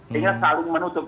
sehingga saling menutup